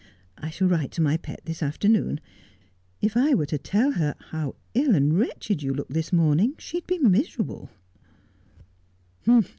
I shall write to my pet this afternoon. If I were to tell her how ill and wretched you look this morning she'd be miserable.'